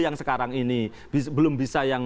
yang sekarang ini belum bisa yang